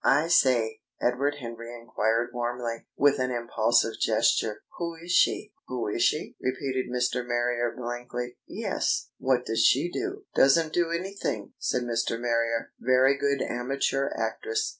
"I say," Edward Henry enquired warmly, with an impulsive gesture, "who is she?" "Who is she?" repeated Mr. Marrier blankly. "Yes. What does she do?" "Doesn't do anything," said Mr. Marrier. "Very good amateur actress.